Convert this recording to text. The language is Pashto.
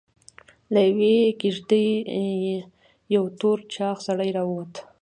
له يوې کېږدۍ يو تور چاغ سړی راووت.